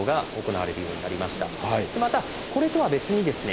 またこれとは別にですね